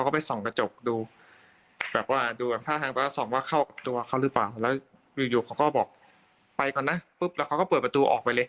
ปุ๊บแล้วเขาก็เปิดประตูออกไปเลย